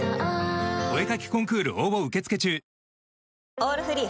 「オールフリー」